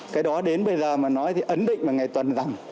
cái đó đến bây giờ mà nói thì ấn định vào ngày tuần rằm